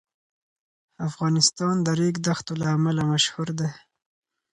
افغانستان د ریګ دښتو له امله مشهور دی.